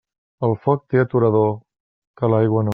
El foc té aturador, que l'aigua no.